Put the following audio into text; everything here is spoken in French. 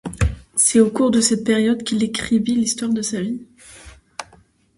C'est au cours de cette période qu'il écrivit l'histoire de sa vie.